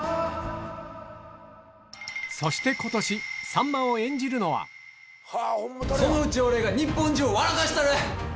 さんまを演じるのはそのうち俺が日本中を笑かしたる！